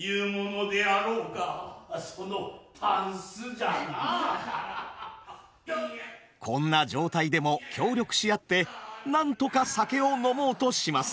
これがあのこんな状態でも協力し合ってなんとか酒を飲もうとします。